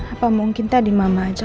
apa mungkin tadi mama aja